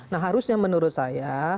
nah harusnya menurut saya